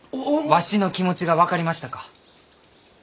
わしの気持ちが分かりましたか？